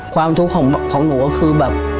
ความทุกข์ของหนูก็คือแบบ